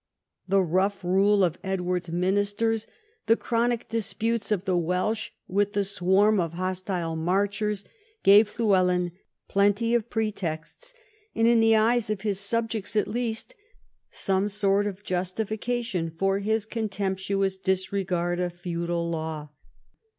The rough rule of Edward's ministers, the chronic disputes of the Welsh with the swarm of hostile Marchers, gave Llywelyn plenty of pretexts, and, in the eyes of his subjects at least, some sort of justification for his con temptuous disregard of feudal law.